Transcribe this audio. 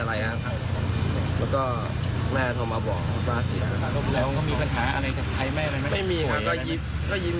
แล้วเขาสวม